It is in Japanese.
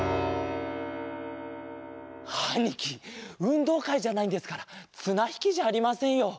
あにきうんどうかいじゃないんですからつなひきじゃありませんよ。